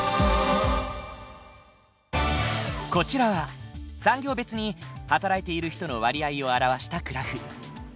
こちらは産業別に働いている人の割合を表したグラフ。